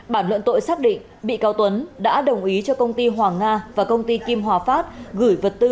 bản luận tội xác định bị cáo tuấn đã đồng ý cho công ty hoàng nga và công ty kim hòa phát gửi vật tư